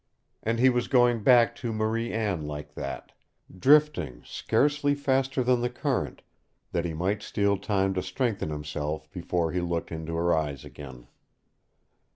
And he was going back to Marie Anne like that drifting scarcely faster than the current that he might steal time to strengthen himself before he looked into her eyes again.